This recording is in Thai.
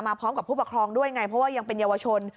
พร้อมกับผู้ปกครองด้วยไงเพราะว่ายังเป็นเยาวชน